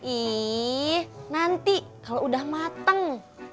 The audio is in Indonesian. ih nanti kalau udah mateng